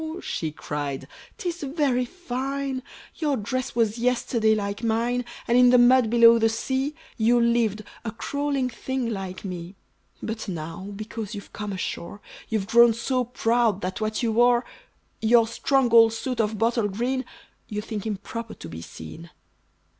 she cried, "'tis very fine! Your dress was yesterday like mine; And in the mud below the sea, You lived, a crawling thing like me. But now, because you've come ashore, You've grown so proud, that what you wore Your strong old suit of bottle green, You think improper to be seen.